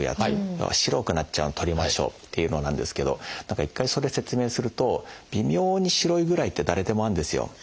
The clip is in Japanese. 要は白くなっちゃうのを取りましょうっていうのなんですけど何か一回それ説明すると微妙に白いぐらいって誰でもあるんですよ。